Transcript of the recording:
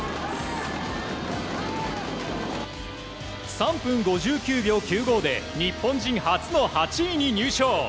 ３分５９秒９５で日本人初の８位に入賞。